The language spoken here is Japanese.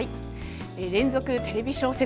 連続テレビ小説